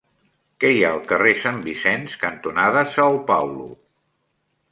Què hi ha al carrer Sant Vicenç cantonada São Paulo?